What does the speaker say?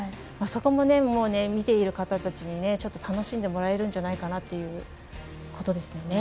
そこも、見ている方たちに楽しんでもらえるんじゃないかなってことです。